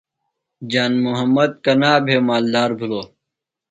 جان محمد کنا بھےۡ مالدار بِھلوۡ؟